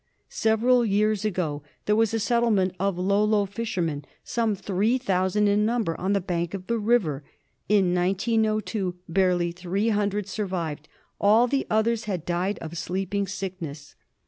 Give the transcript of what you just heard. Several years ago there was a settlement of Lolo fishermen, some three thousand in number, on the bank of the river ; in 1902 barely three hundred survived ; all the others had died of Sleeping Sickness.